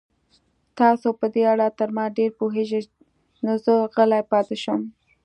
تاسو په دې اړه تر ما ډېر پوهېږئ، نو زه غلی پاتې شم.